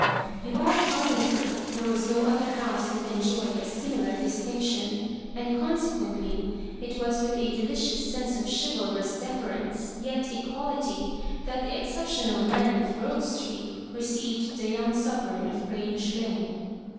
In all Carlingford there was no other house that enjoyed a similar distino , tion ; and, consequently, it was with a delicious sense of chivalrous deference, yet equality, that the exceptional man of Grove Street received the young sovereign of Grange Lane.